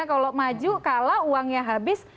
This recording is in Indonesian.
kalau maju kalah uangnya habis